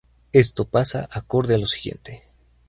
Esto pasa acorde a lo siguiente.